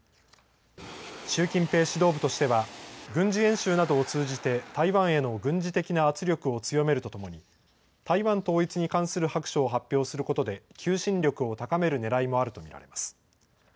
習近平指導部としては軍事演習などを通じて台湾への軍事的な圧力を強めるとともに台湾統一に関する白書を発表することで求心力を高めるねらいもあると見られます。